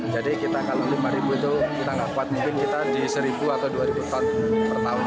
kita kalau lima ribu itu kita nggak kuat mungkin kita di seribu atau dua ribu ton per tahun